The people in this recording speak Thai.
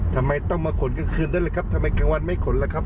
ทำไมต้องมาขนกลางคืนได้เลยครับทำไมกลางวันไม่ขนล่ะครับ